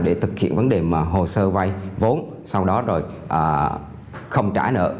để thực hiện vấn đề hồ sơ vay vốn sau đó rồi không trả nợ